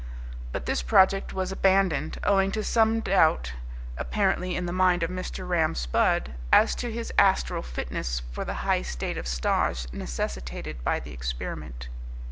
But this project was abandoned, owing to some doubt, apparently, in the mind of Mr. Ram Spudd as to his astral fitness for the high state of Stoj necessitated by the experiment.